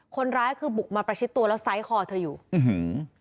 คนร้ายคือบุกมาประชิดตัวแล้วไซส์คอเธออยู่อื้อหือ